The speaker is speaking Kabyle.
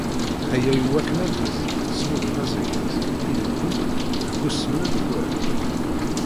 Aya i wakken ad mmeẓrent s wudem azayez, ilelli, deg usmel web.